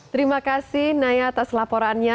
terima kasih naya atas laporannya